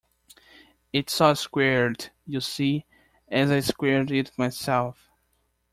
It's all squared, you see, as I squared it myself.